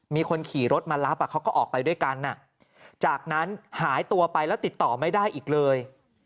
มีคนขี่รถมารับเขาก็ออกไปด้วยกันจากนั้นหายตัวไปแล้วติดต่อไม่ได้อีกเลย